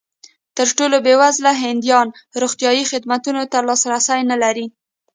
تر ټولو بېوزله هندیان روغتیايي خدمتونو ته لاسرسی نه لري.